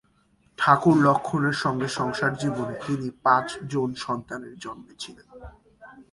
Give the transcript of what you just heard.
ঠাকুর লক্ষ্মণের সঙ্গে সংসার জীবনে তিনি পাঁচ জন সন্তানের জননী ছিলেন।